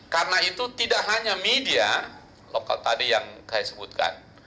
karena itu tidak hanya media lokal tadi yang saya sebutkan